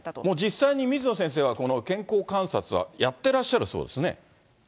もう実際に水野先生は、この健康観察はやってらっしゃるそうですね。